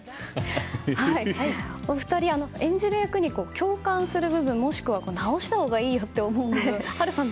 お二人、演じる役に共感する部分もしくは直したほうがいいよって思う部分、波瑠さん